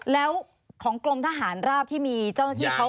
แล้วของกรมทหารราบที่มีเจ้าหน้าที่เขา